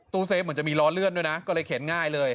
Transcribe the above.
เฟฟเหมือนจะมีล้อเลื่อนด้วยนะก็เลยเข็นง่ายเลย